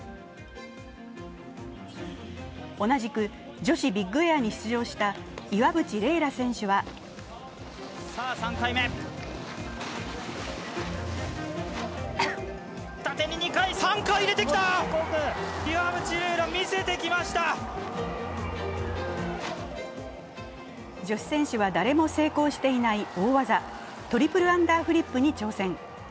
同じく女子ビッグエアに出場した岩渕麗楽選手は女子選手は誰も成功していない大技、トリプルアンダーフリップに挑戦。